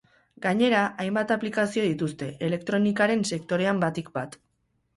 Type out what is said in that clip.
Gainera, hainbat aplikazio dituzte, elektronikaren sektorean batik bat.